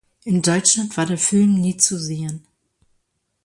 In Deutschland war der Film nie zu sehen.